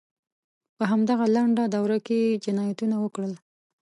په همدغه لنډه دوره کې یې جنایتونه وکړل.